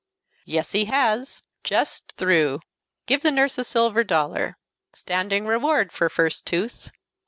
"Yes, he has! Just through. Give the nurse a silver dollar. Standing reward for first tooth."